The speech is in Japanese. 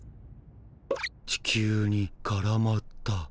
地球にからまった。